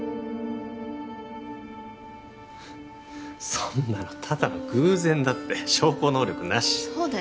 そんなのただの偶然だって証拠能力なしそうだよ